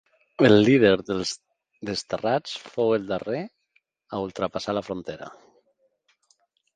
El líder dels desterrats fou el darrer a ultrapassar la frontera.